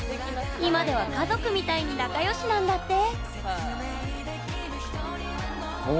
今では家族みたいに仲よしなんだって。